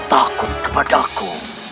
takut kepada aku